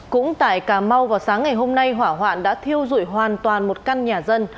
cũng tại cà mau vào sáng ngày hôm nay hỏa hoạn đã thiêu dụi hoàn toàn một căn nhà dân